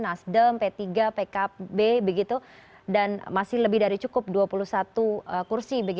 nasdem p tiga pkb dan masih lebih dari cukup dua puluh satu kursi